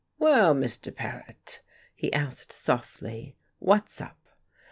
"Well, Mr. Paret," he asked softly, "what's up?"